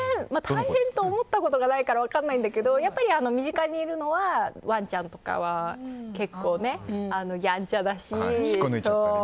大変と思ったことがないから分からないんだけど身近にいる、ワンちゃんとかは結構やんちゃだし。